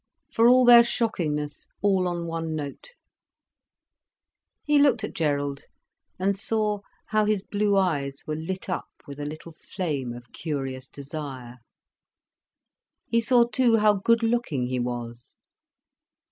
For all their shockingness, all on one note." He looked at Gerald, and saw how his blue eyes were lit up with a little flame of curious desire. He saw too how good looking he was.